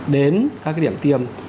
đến các điểm tiêm